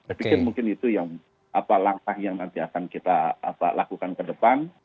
saya pikir mungkin itu yang langkah yang nanti akan kita lakukan ke depan